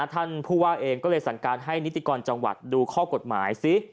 ท่านผู้ว่าเองก็เลยสั่งการให้นิติกรจังหวัดดูข้อกฎหมายซิ